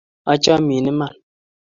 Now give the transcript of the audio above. Achamin iman